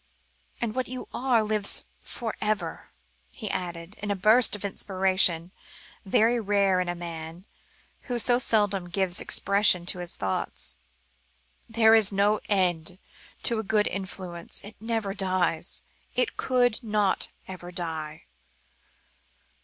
And what you are lives for ever," he added, in a burst of inspiration very rare in the man, who so seldom gave expression to his thoughts. "There is no end to a good influence; it never dies; it could not ever die.